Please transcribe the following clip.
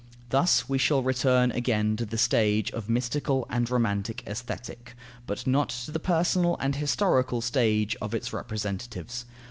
Thus we shall return again to the stage of mystical and romantic Aesthetic, but not to the personal and historical stage of its representatives.